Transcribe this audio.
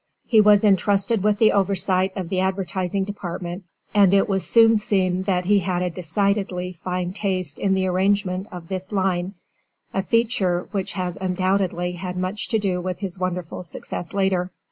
He was intrusted with the oversight of the advertising department, and it was soon seen that he had a decidedly fine taste in the arrangement of this line, a feature which has undoubtedly had much to do with his wonderful success later.